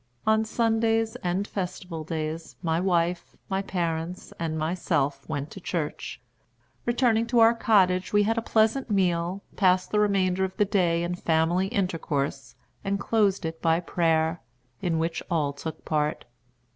On Sundays and festival days my wife, my parents, and myself went to church. Returning to our cottage we had a pleasant meal, passed the remainder of the day in family intercourse, and closed it by prayer, in which all took part."